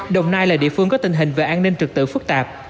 đồng nai là địa phương có tình hình về an ninh trực tự phức tạp